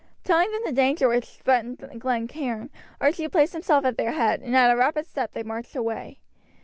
Telling them the danger which threatened Glen Cairn, Archie placed himself at their head, and at a rapid step they marched away.